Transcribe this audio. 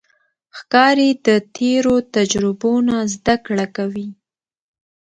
ښکاري د تیرو تجربو نه زده کړه کوي.